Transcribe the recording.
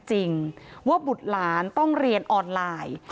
จริงว่าบุตรหลานต้องเรียนออนไลน์